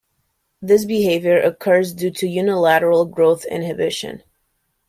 This behavior occurs due to unilateral growth inhibition.